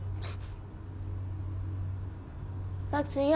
達也